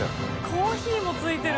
コーヒーも付いてる。